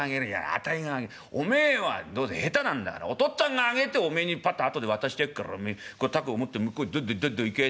あたいがおめえはどうせ下手なんだからお父っつぁんが揚げておめえにパッと後で渡してやっから凧を持って向こうにどんどんどんどん行け。